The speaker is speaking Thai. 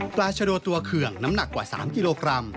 ชโดตัวเคืองน้ำหนักกว่า๓กิโลกรัม